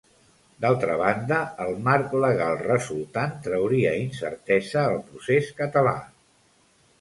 D'altra banda, el marc legal resultant trauria incertesa al procés català.